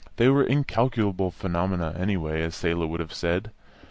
They were incalculable phenomena, anyway, as Selah would have said.